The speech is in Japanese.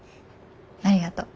ありがとう。